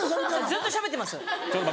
ずっとしゃべってます。